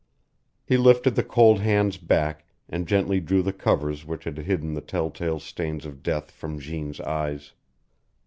He lifted the cold hands back, and gently drew the covers which had hidden the telltale stains of death from Jeanne's eyes.